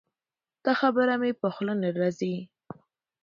دا خبره مې په خوله نه راځي.